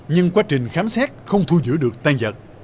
nhưng quá trình khám xét không thu giữ được tan vật